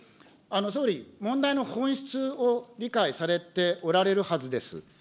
総理、問題の本質を理解されておられるはずです。